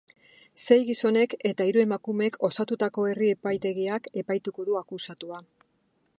Sei gizonek eta hiru emakumek osatutako herri-epaitegiak epaituko du akusatua.